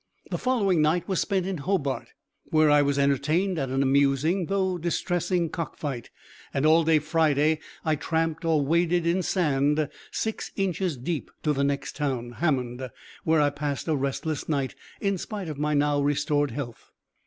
The following night was spent in Hobart, where I was entertained at an amusing, though distressing cock fight, and all day Friday I tramped or waded in sand six inches deep to the next town, Hammond, where I passed a restless night, in spite of my now restored health.